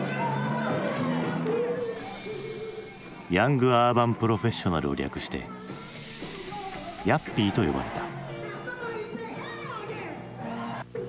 ヤング・アーバン・プロフェッショナルを略して「ヤッピー」と呼ばれた。